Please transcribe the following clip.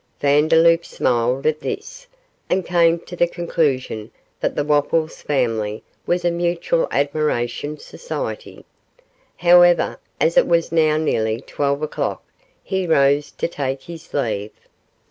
Vandeloup smiled at this, and came to the conclusion that the Wopples family was a mutual admiration society. However, as it was now nearly twelve o'clock, he rose to take his leave.